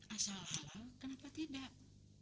asal halal kenapa tidak